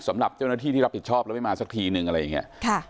สำหรับเจ้าหน้าที่ที่รับผิดชอบแล้วไม่มาสักทีนึงอะไรอย่างนี้